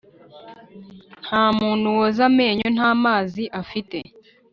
ntamuntu woza amenyo ntamazi afite